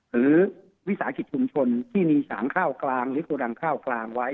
วิสาหกิจชุมชนที่มีฉางข้าวกลางหรือโกดังข้าวกลางไว้